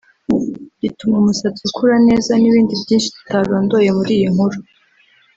gituma umusatsi ukura neza n’ibindi byinshi tutarondoye muri iyi nkuru